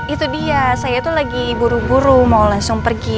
itu dia saya itu lagi buru buru mau langsung pergi